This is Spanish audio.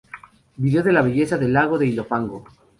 Video de la belleza del Lago de Ilopango